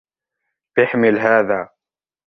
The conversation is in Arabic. احمل هذا.